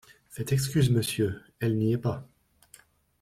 Faites excuse, monsieur… elle n’y est pas.